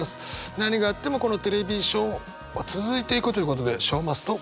何があってもこのテレビショーは続いていくということで「傷増すと業ＯＮ」。